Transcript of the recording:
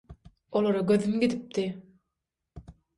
Olara gözüm gidipdi.